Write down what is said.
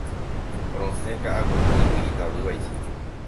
Rosẽ ka'aguy'ígui itavývaicha.